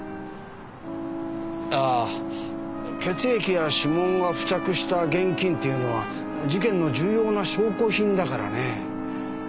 ああ血液や指紋が付着した現金っていうのは事件の重要な証拠品だからね。